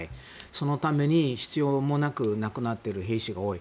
そのために必要もなく亡くなっている兵士が多い。